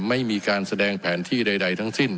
ไม่มีการแสดงแผนที่ใดทั้งสิ้น